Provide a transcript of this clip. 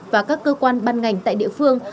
và các cơ quan ban ngành tại địa phương